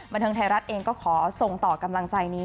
บันเทิงไทยรัฐเองก็ขอส่งต่อกำลังใจนี้